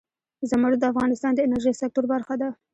زمرد د افغانستان د انرژۍ سکتور برخه ده.